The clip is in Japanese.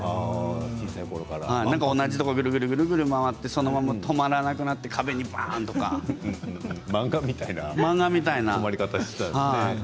小さいころから同じところをぐるぐるぐるぐる回ってそのまま止まらなくなって漫画みたいな止まり方ですね。